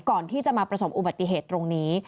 ก่อนที่จะมาประสบอุบัติเหตุตรงนี้